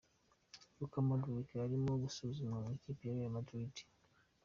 Luka Modric arimo gusuzumwa mu ikipe ya Real Madrid.